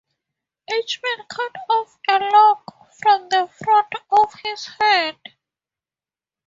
Each man cut off a lock from the front of his head.